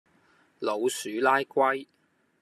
老鼠拉龜